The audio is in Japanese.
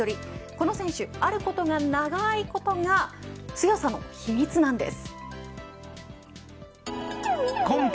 この選手、あることが長いことが強さの秘密なんです。